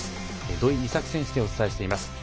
土居美咲選手でお伝えしています。